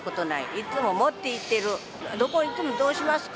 いつも持っていってる、どこに行っても、どうしますか？